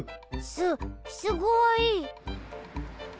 すっすごい。